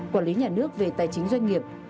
quản lý nhà nước về tài chính doanh nghiệp